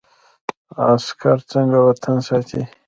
عسکر څنګه وطن ساتي؟